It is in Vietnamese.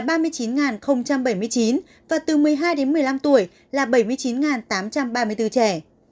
trên địa bàn tỉnh bà rịa vũng tàu hiện có một trăm một mươi tám bảy mươi chín người từ một mươi hai một mươi năm tuổi là bảy mươi chín tám trăm ba mươi bốn trẻ